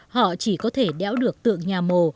họ chỉ có thể đéo được tượng nhà mồ